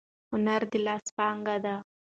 هنر د لاس پانګه ده.